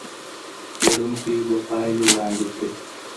څېړونکی به پايلي وړاندي کړي.